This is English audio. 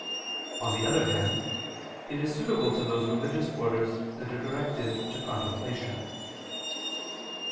On the other hand, it is suitable to those religious orders that are directed to contemplation.